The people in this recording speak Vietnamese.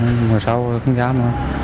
người sau cũng không dám nữa